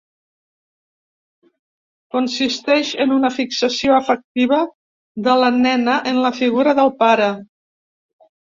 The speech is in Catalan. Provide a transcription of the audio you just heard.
Consisteix en una fixació afectiva de la nena en la figura del pare.